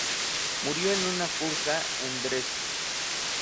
Murió en una cursa en Dresde.